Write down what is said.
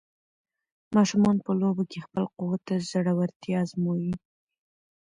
ماشومان په لوبو کې خپل قوت او زړورتیا ازمويي.